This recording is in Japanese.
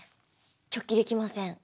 直帰できません。